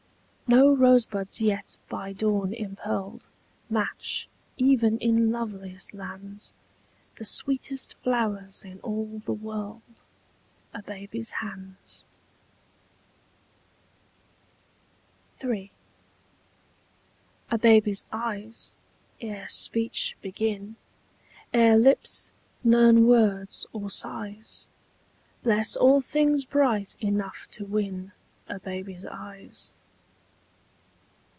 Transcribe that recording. No rosebuds yet by dawn impearled Match, even in loveliest lands, The sweetest flowers in all the world— A baby's hands. III. A baby's eyes, ere speech begin, Ere lips learn words or sighs, Bless all things bright enough to win A baby's eyes.